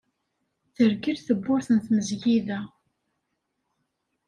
Tergel tewwurt n tmezgida.